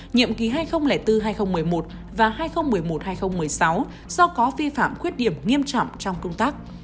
nhiệm kỳ hai nghìn bốn hai nghìn một mươi một và hai nghìn một mươi một hai nghìn một mươi sáu do có vi phạm khuyết điểm nghiêm trọng trong công tác